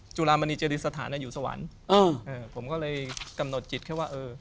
จุลามณีเจดีสถานอยู่สวรรค์ผมก็เลยกำหนดจิตแค่ว่าเออ